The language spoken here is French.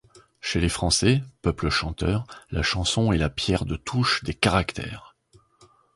Chez les Français, peuple chanteur, la chanson est la pierre de touche des caractères.